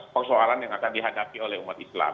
persoalan yang akan dihadapi oleh umat islam